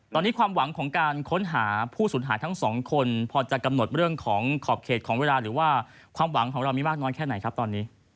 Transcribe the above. ตอนนี้ความหวังของการค้นหาผู้สูญหายทั้งสองคนพอจะกำหนดเรื่องของขอบเขตของเวลาหรือว่าความหวังของเรามีมากน้อยแค่ไหนครับตอนนี้